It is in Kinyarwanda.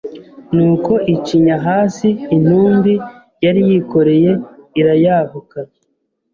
Nuko icinya hasi intumbi yari yikoreye irayahuka